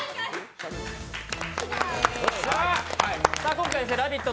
今回「ラヴィット！」